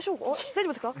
大丈夫ですか？